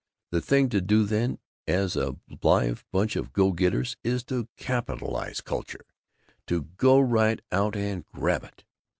The thing to do then, as a live bunch of go getters, is to capitalize Culture; to go right out and grab it.